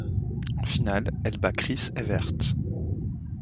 En finale, elle bat Chris Evert.